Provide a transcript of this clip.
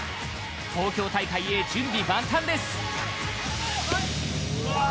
東京大会へ、準備万端です！